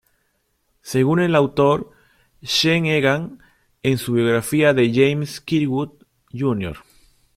Según el autor Sean Egan en su biografía de James Kirkwood, Jr.